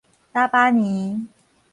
噍吧哖